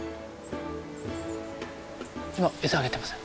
今餌あげてます。